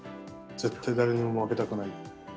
絶対誰にも負けたくない。